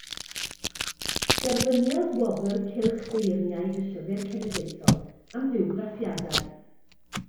Derbyniodd Wobr Cylch Beirniaid y Llyfr Cenedlaethol am Fywgraffiadau.